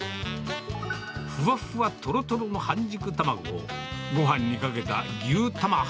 ふわふわとろとろの半熟卵を、ごはんにかけた牛玉飯。